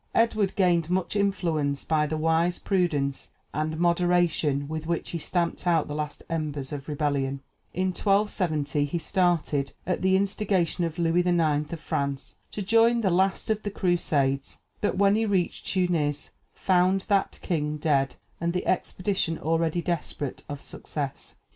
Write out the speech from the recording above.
Edward gained much influence by the wise prudence and moderation with which he stamped out the last embers of rebellion. In 1270 he started, at the instigation of Louis IX. of France, to join the last of the Crusades, but when he reached Tunis, found that king dead, and the expedition already desperate of success.